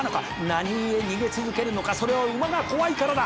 「なにゆえ逃げ続けるのかそれは馬が怖いからだ！」